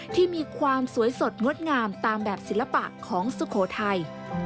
ที่มีความสวยสดงดงามตามแบบศิลปะของสุโขทัย